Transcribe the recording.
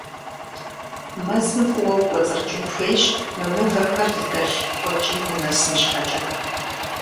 Мэзым фӀыуэ укӀуэцӀрыкӀын хуейщ мы мывэхэр зыдэлъ къуэкӀийм унэсын щхьэкӀэ.